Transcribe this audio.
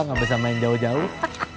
gak bisa main jauh jauh